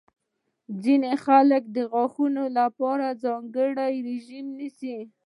ځینې خلک د غاښونو لپاره ځانګړې رژیم لري.